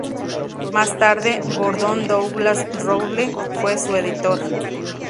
Más tarde, Gordon Douglas Rowley fue su editor.